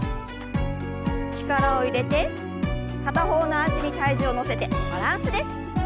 力を入れて片方の脚に体重を乗せてバランスです。